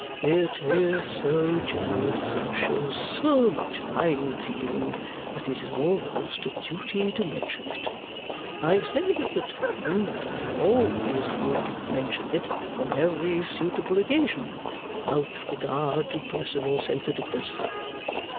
'It is so generous, and shows so much fine feeling, that it is almost a duty to mention it. I said at the time that I always would mention it on every suitable occasion, without regard to personal sensitiveness.